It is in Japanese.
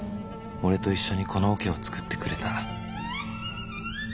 俺と一緒にこのオケを作ってくれた